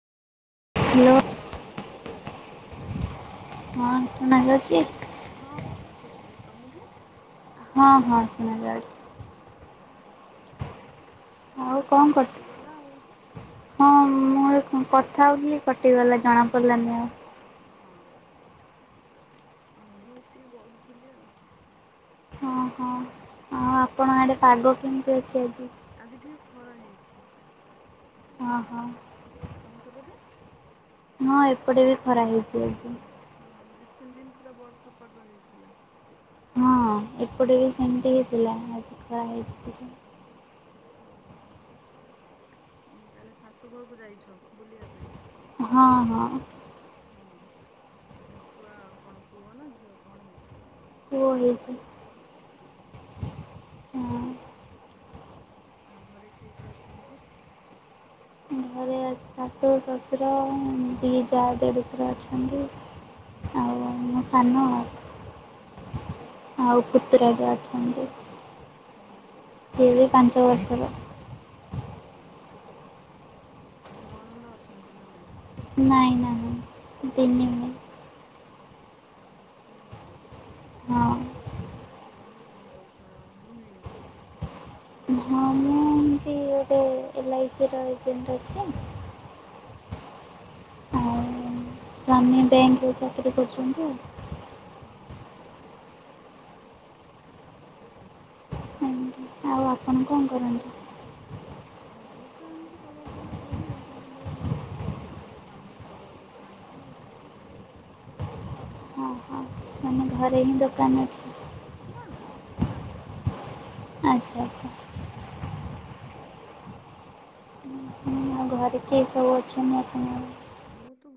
ହଁ କୁହ। ହଁ ଶୁଣାଯାଉଛି। ତମକୁ। ହଁ ହଁ ଶୁଣଯାଉଛି। ସେତେବେଳେ କାହିଁକି କଟିଗଲା ଆଉ। ହଁ ମୁଁ ଏଇଖୁଣା କଥା ହଉଥିଲି କଟିଗଲା ଜଣା ପଡିଲାନି ଆଉ। ହଁ ହଁ। ମୁଁ ଏଇଠି ଟିକେ ଗଢୁଥିଲି ଆଉ। ହଁ ଆପଣଙ୍କ ଆଡେ ପାଗ କେମିତି ଅଛି ଆଜି? ଖରା ହେଇଛି ଏପଟେ ଆଉ ତମ ସେପଟେ? ହଁ ଏପଟେ ବି ଖରା ହେଇଛି ଆଜି। ହଁ ଦି ତିନି ଦିନ୍ ପୁରା ବର୍ଷା ପାଗ ହେଇଥିଲା। ହଁ ଏପଟେ ବି ସେମିତି ହେଇଥିଲା ଆଜି ଖରା ହେଇଛି ଟିକେ। ଉଁ ତାହେଲେ ଶାଶୁ ଘରକୁ ଯାଇଛ ବୁଲିବା ପାଇଁ। ହଁ ହଁ। ଆଉ ଛୁଆ କଣ ପୁଅ ନା ଝିଅ କଣ ହେଇଛି? ପୁଅ ହେଇଛି ପୁଅ ହେଇଛି। ଆଚ୍ଛା, ଆଉ ଘରେ କିଏ କିଏ ଅଛନ୍ତି? ଘରେ ଶାଶୁ ଶଶୁର ଦି ଯାଆ ଦେଢ଼ଶୁର ଅଛନ୍ତି ଆଉ। ମୁଁ ସାନ ଆଉ। ଆଉ ପୁତୁରାଟେ ଅଛନ୍ତି। ସେ ବି ପାଞ୍ଚ ବର୍ଷର। ହଁ, ଆଉ ନଣନ୍ଦ ଅଛନ୍ତି ନା ନାଇଁ? ନାଇଁ ନାହାନ୍ତି ଏ ତିନି ଭାଇ। ଓହୋ ତିନି ଭାଇ ଖାଲି। ତମେ କଣ କରୁଛ ଗୃହିଣୀ। [inaudible] ଏଇ ଗୋଟେ ଏଲ୍ ଆଇ ସି ର ଏଜେଣ୍ଟ ଅଛି। ଆଚ୍ଛା ହୁଁ। ଗ୍ରାମ୍ୟ ବ୍ୟାଙ୍କରେ ଚାକିରୀ କରୁଛନ୍ତି ହଁ ହଁ। ଓହୋ ଆଚ୍ଛା। ଆଉ ଆପଣ କଣ କରନ୍ତି? ମୁଁ ତ ଏମିତି କହିବାକୁ ଗଲେ ଗୃହିଣୀ କିନ୍ତୁ ମୁଁ ମୋ ହଜ୍- ସ୍ୱାମୀଙ୍କର ଦୋକାନ ଅଛି। ସେଇଟା ବୁଝାବୁଝି କରୁଛି ଆଉ। ହଁ ହଁ। ଅ ଘରେ ହିଁ ଦୋକାନ ଅଛି। ମାର୍କେଟରେ ଅଛି। ଆଚ୍ଛା ଆଚ୍ଛା ହୁଁ। ଆ ଘରେ କିଏ ସବୁ ଅଛନ୍ତି ଆପଣଙ୍କର?